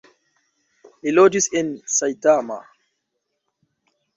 Li loĝis en Saitama.